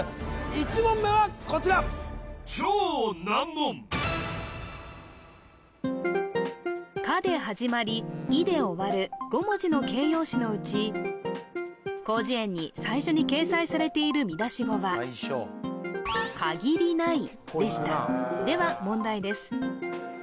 １問目はこちら「か」で始まり「い」で終わる５文字の形容詞のうち広辞苑に最初に掲載されている見出し語はでしたでは問題です